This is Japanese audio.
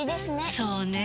そうねぇ。